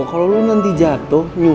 kalau lo nanti jatuh lo susah